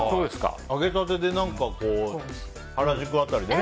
揚げたてで原宿辺りで。